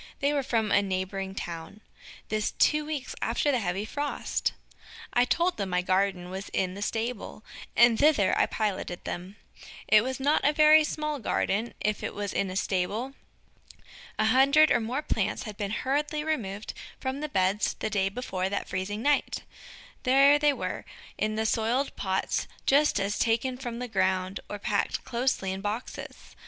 They were from a neighboring town. This two weeks after the heavy frost! I told them my garden was in the stable, and thither I piloted them. It was not a very small garden if it was in a stable. A hundred or more plants had been hurriedly removed from the beds the day before that freezing night! There they were, in the soiled pots just as taken from the ground, or packed closely in boxes.